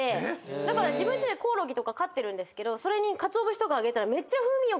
だから自分ちでコオロギ飼ってるけどそれにかつお節とかあげたらめっちゃ風味良くなったりして。